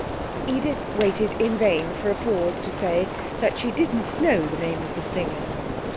Edith waited in vain for a pause to say she didn't know the name of the singer.